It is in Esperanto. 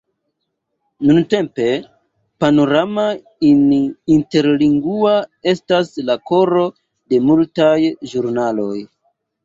Nuntempe, Panorama In Interlingua estas la koro de multaj ĵurnaloj.